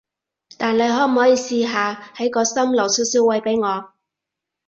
但你可唔可以試下喺個心留少少位畀我？